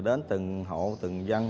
đến từng hộ từng dân